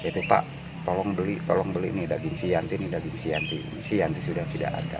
tolong beli nih daging sianti ini daging sianti sianti sudah tidak ada